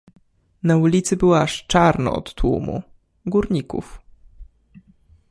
"Na ulicy było aż czarno od tłumu, górników."